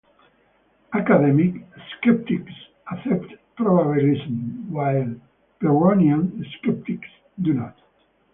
Academic skeptics accept probabilism, while Pyrrhonian skeptics do not.